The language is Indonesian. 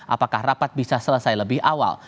apakah rapat bisa selesai lebih awal